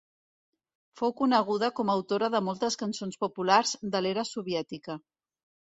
Fou coneguda com a autora de moltes cançons populars de l'era soviètica.